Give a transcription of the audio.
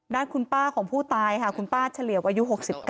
ด้านคุณป้าของผู้ตายค่ะคุณป้าเฉลี่ยวอายุ๖๙